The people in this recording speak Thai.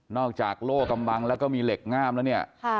จากโล่กำบังแล้วก็มีเหล็กง่ามแล้วเนี่ย